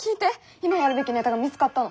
今やるべきネタが見つかったの。